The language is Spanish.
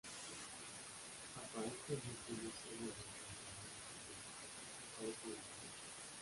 Aparentemente no se halla en el Pantanal Brasileño, y aparece en el Paraguay.